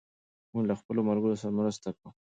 موږ له خپلو ملګرو سره مرسته کوو.